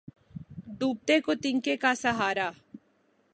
ڈیںبتیں کیں تنکیں کا سہارا